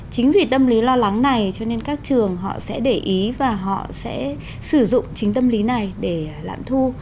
chính vì tâm lý lo lắng này cho nên các trường họ sẽ để ý và họ sẽ sử dụng chính tâm lý này để lãm thu